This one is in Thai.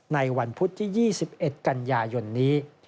ในวันพุธที่๒๑กันยายนนี้